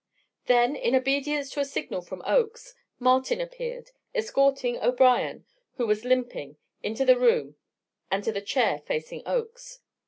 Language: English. Then, in obedience to a signal from Oakes, Martin appeared, escorting O'Brien, who was limping, into the room, and to the chair facing Oakes.